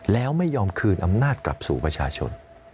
แล้วไม่ยอมคืนอำนาจกลับสู่ประชาชน